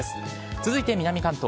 続いて南関東。